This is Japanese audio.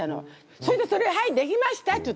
それでそれを「はいできました」って言ったのよ。